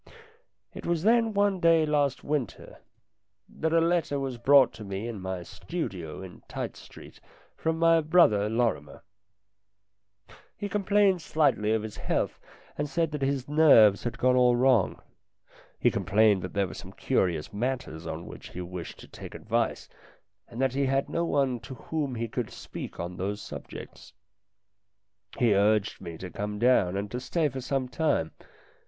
It was then one day last winter that a letter 274 STORIES IN GREY was brought to me in my studio in Tite Street from my brother Lorrimer. He complained slightly of his health, and said that his nerves had gone all wrong. He complained that there were some curious matters on which he wished to take advice, and that he had no one to whom he could speak on those subjects. He urged me to come down and to stay for some time.